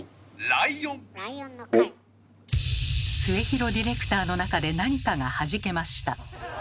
末廣ディレクターの中で何かがはじけました。